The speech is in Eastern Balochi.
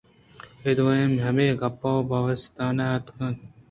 اے دوئیں ہمے گپّ ءُ باوستان اِتنت